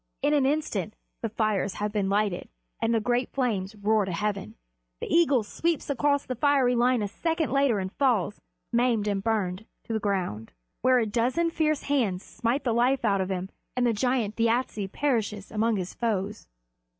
In an instant the fires have been lighted, and the great flames roar to heaven. The eagle sweeps across the fiery line a second later and falls, maimed and burned to the ground; where a dozen fierce hands smite the life out of him, and the great giant Thjasse perishes among his foes.